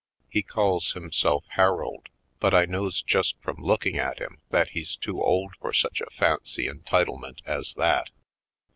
He calls himself Harold. But I knows just from looking at him that he's too old for such a fancy en titlement as that.